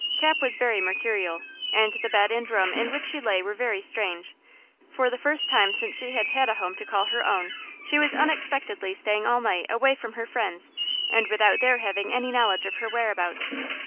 Cap was very mercurial, and the bed and room in which she lay were very strange; for the first time since she had had a home to call her own she was unexpectedly staying all night away from her friends, and without their having any knowledge of her whereabouts.